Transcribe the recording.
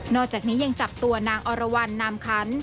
อกจากนี้ยังจับตัวนางอรวรรณนามคัน